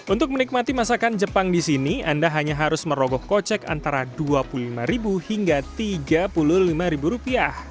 untuk menikmati masakan jepang di sini anda hanya harus merogoh kocek antara rp dua puluh lima hingga rp tiga puluh lima